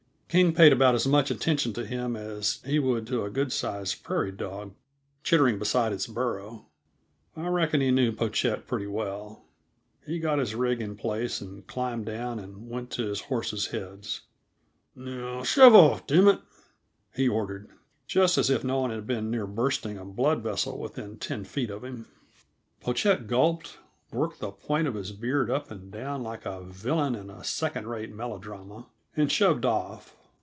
King paid about as much attention to him as he would to a good sized prairie dog chittering beside its burrow. I reckon he knew Pochette pretty well. He got his rig in place and climbed down and went to his horses' heads. "Now, shove off, dammit," he ordered, just as if no one had been near bursting a blood vessel within ten feet of him. Pochette gulped, worked the point of his beard up and down like a villain in a second rate melodrama, and shoved off.